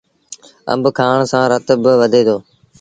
آݩب کآڻ سآݩ رت با وڌي دو۔